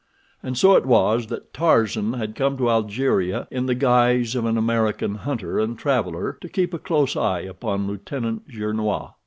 And so it was that Tarzan had come to Algeria in the guise of an American hunter and traveler to keep a close eye upon Lieutenant Gernois.